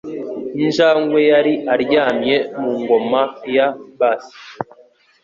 Injangwe yari aryamye mu ngoma ya bass.